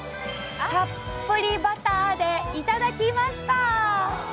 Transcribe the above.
たっぷりバターで頂きました！